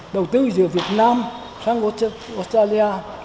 đầu tư giữa việt nam và australia